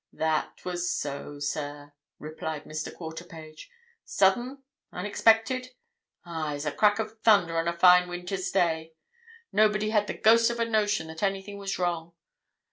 "That was so, sir," replied Mr. Quarterpage. "Sudden? Unexpected? Aye, as a crack of thunder on a fine winter's day. Nobody had the ghost of a notion that anything was wrong.